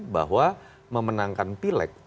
bahwa memenangkan pileg